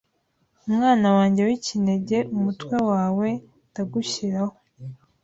Umwana wanjye w'ikinege Umutwe wawe ndagushyiraho